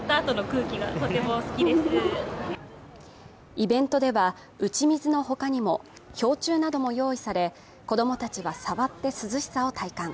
イベントでは打ち水の他にも氷柱なども用意され子供たちは触って涼しさを体感。